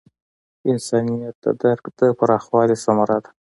انسانیت د درک د پراخوالي ثمره ده.